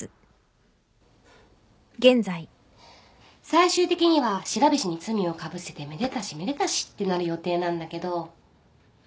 最終的には白菱に罪をかぶせてめでたしめでたしってなる予定なんだけど。